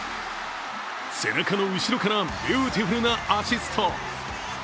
背中の後ろからビューティフルなアシスト。